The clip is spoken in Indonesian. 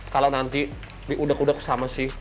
kalo nanti diudek udek sama si